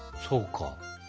そうか。